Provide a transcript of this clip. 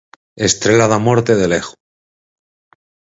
Estrela da Morte de Lego.